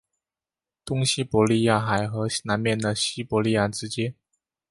东西伯利亚海和南面的西伯利亚之间。